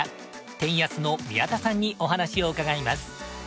天安の宮田さんにお話を伺います。